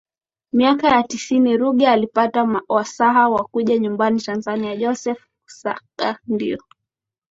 miaka ya tisini Ruge alipata wasaha wa kuja nyumbani Tanzania Joseph kusaga ndio